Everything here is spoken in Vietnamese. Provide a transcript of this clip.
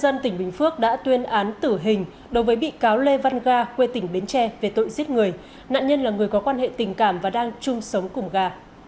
dân tỉnh bình phước đã tuyên án tử hình đối với bị cáo lê văn ga quê tỉnh bến tre về tội giết người nạn nhân là người có quan hệ tình cảm và đang chung sống cùng ga